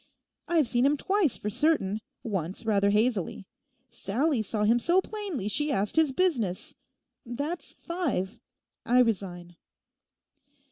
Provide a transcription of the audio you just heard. I've seen him twice for certain, once rather hazily; Sallie saw him so plainly she asked his business: that's five. I resign.